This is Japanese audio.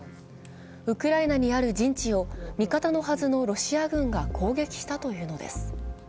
ウクライナにある陣地を味方のはずのロシア軍が攻撃したというのです。